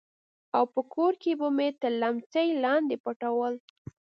او په کور کښې به مې تر ليمڅي لاندې پټول.